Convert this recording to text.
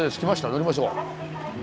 乗りましょう。